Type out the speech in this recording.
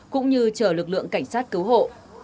cũng như chờ lực lượng cảnh sát cứu hộ